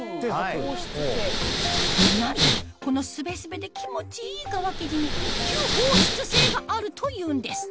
なんとこのスベスベで気持ちいい側生地に吸放湿性があるというんです